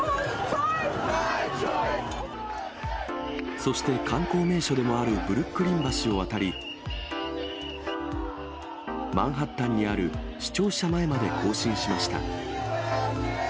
そして、観光名所でもあるブルックリン橋を渡り、マンハッタンにある市庁舎前まで行進しました。